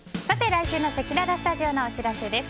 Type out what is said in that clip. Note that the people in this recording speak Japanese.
来週のせきららスタジオのお知らせです。